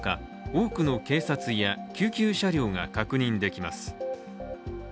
多くの警察や救急車両が確認できます。